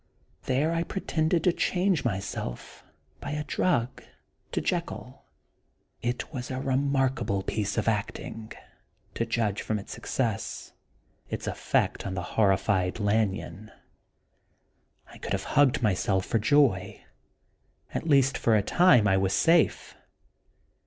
There I pretended to change myself, by a drug, to Jekyll. It was a re markable piece of acting, to judge from its success, ŌĆö its effect on the horrified Lan yon. I could have hugged myself for joy. At least for a time I was safe.